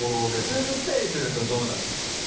くすぐったりするとどうなるのかな？